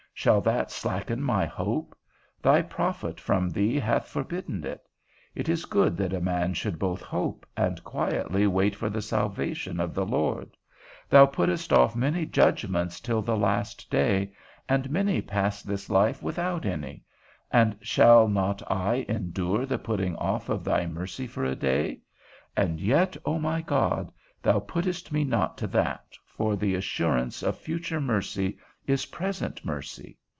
Shall that slacken my hope? thy prophet from thee hath forbidden it. It is good that a man should both hope, and quietly wait for the salvation of the Lord. Thou puttest off many judgments till the last day, and many pass this life without any; and shall not I endure the putting off thy mercy for a day? And yet, O my God, thou puttest me not to that, for the assurance of future mercy is present mercy.